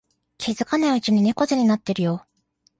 気づかないうちに猫背になってるよ